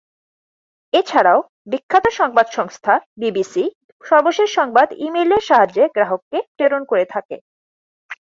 এছাড়াও বিখ্যাত সংবাদ সংস্থা বিবিসি সর্বশেষ সংবাদ ই-মেইলের সাহায্যে গ্রাহককে প্রেরণ করে থাকে।